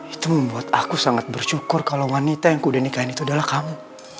itu membuat aku sangat bersyukur kalau wanita yang ku udah nikahin itu adalah kamu